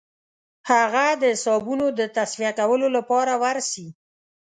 هغه د حسابونو د تصفیه کولو لپاره ورسي.